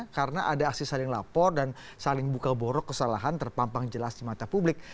karena ada aksi saling lapor dan saling buka borok kesalahan terpampang jelas di mata publik